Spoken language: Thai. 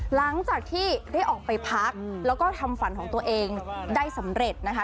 หลังจากที่ได้ออกไปพักแล้วก็ทำฝันของตัวเองได้สำเร็จนะคะ